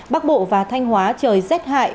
bắc bộ và thanh hóa trời rét hại